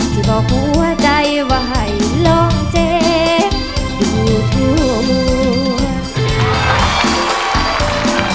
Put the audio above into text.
จะบอกหัวใจว่าให้ลองเจ็บดูถูก